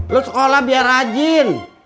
lu sekolah biar rajin